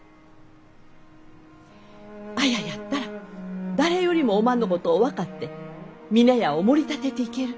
綾やったら誰よりもおまんのことを分かって峰屋をもり立てていける。